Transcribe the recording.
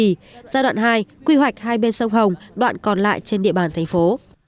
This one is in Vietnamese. giai đoạn hai quy hoạch hai bên sông hồng đoạn còn lại trên địa bàn thành phố